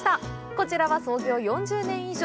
こちらは創業４０年以上。